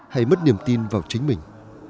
hay mất niềm tin vào chính mình